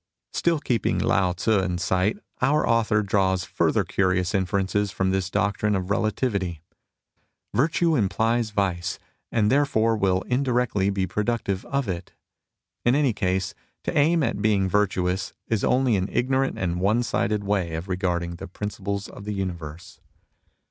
Still keeping Lao Titt in sight, our author draws further curious inferences from this doc trine of relativity. Virtue implies vice, and therefore will indirectly be productive of it. In any case, to aim at being virtuous is only an ignorant and one sided way of regarding the principles of the universe.